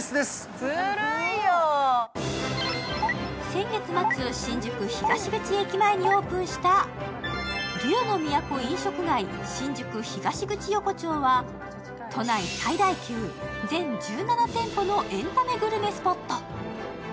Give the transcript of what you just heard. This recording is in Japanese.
先月末、新宿東口駅前にオープンした龍乃都飲食街新宿東口横丁は、都内最大級、全１７店舗のエンタメグルメスポット。